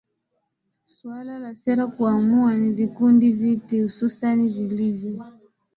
suala la sera kuamua ni vikundi vipi hususan vilivy